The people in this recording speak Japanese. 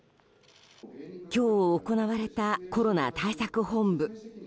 今日行われたコロナ対策本部。